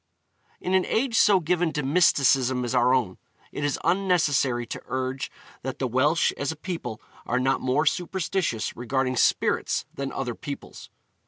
In an age so given to mysticism as our own, it is unnecessary to urge that the Welsh as a people are not more superstitious regarding spirits than other peoples.